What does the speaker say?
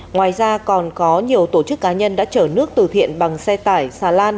ngoài ra còn có nhiều tổ chức cá nhân đã chở nước từ thiện bằng xe tải xà lan